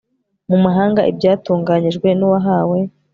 mu mahanga ibyatunganyijwe n uwahawe